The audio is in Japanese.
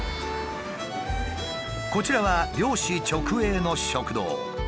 こちらは漁師直営の食堂。